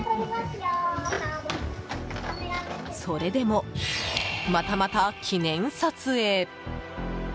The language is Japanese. それでも、またまた記念撮影。